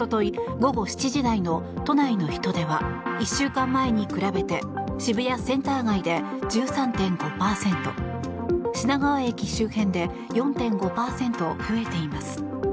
午後７時台の都内の人出は１週間前に比べて渋谷センター街で１３．５％品川駅周辺で４．５％増えています。